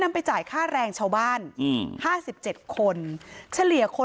ตำรวจบอกว่าภายในสัปดาห์เนี้ยจะรู้ผลของเครื่องจับเท็จนะคะ